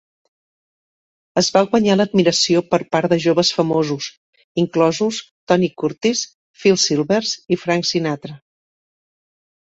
Es va guanyar l'admiració per part de joves famosos, inclosos Tony Curtis, Phil Silvers i Frank Sinatra.